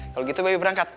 kalau gitu baby berangkat